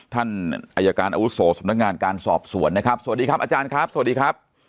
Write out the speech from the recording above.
ท่านอายการอาวุโสสำนักงานการสอบสวนนะครับสวัสดีครับอาจารย์ครับสวัสดีครับ